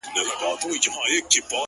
ستا له قدم نه وروسته هغه ځای اوبه کړي دي”